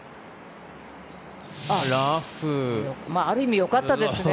ある意味よかったですね。